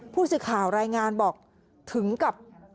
ผู้สื่อข่าวรายงานบอกถึงกับ